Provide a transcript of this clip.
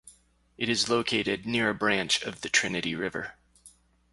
It is located near a branch of the Trinity River.